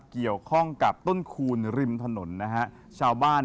เกี่ยวข้องกับต้นคูณริมถนนนะฮะ